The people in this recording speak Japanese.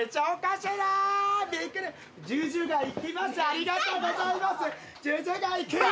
ありがとうございます。